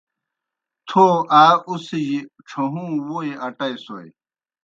تھو آ اُڅِھجیْ ڇھہُوں ووئی اٹئیسوئے۔